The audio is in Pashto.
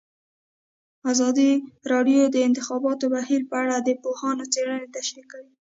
ازادي راډیو د د انتخاباتو بهیر په اړه د پوهانو څېړنې تشریح کړې.